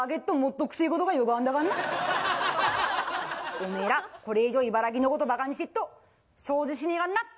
おめえらこれ以上茨城のことバカにしてっと承知しねぇかんな！